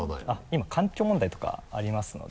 今環境問題とかありますので。